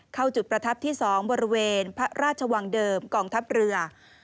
เข้าจุดประทับที่๒บริเวณพระราชวังเดิมกองทัพเรือ